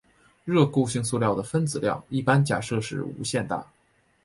热固性塑料的分子量一般假设是无限大。